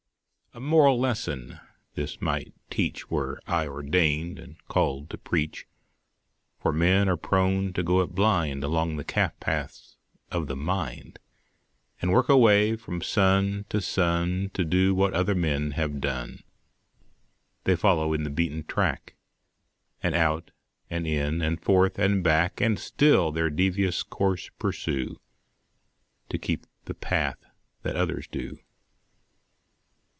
A moral lesson this might teach, Were I ordained and called to preach; For men are prone to go it blind Along the calf paths of the mind, And work away from sun to sun To do what other men have done. They follow in the beaten track, And out and in, and forth and back, And still their devious course pursue, To keep the path that others do.